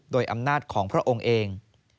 โดยอำนาจของพระองค์เอง